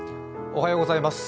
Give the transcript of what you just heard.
おはようございます。